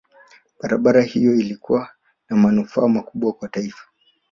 barabara hiyo ilikuwa na manufaa makubwa kwa taifa